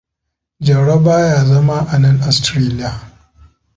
Jauro ba ya zama anan Australia.